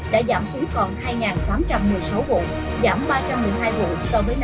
đã giảm xuống còn hai tám trăm một mươi sáu vụ